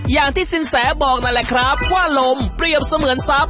อย่างที่สินแสบอกนั่นแหละครับว่าลมเปรียบเสมือนทรัพย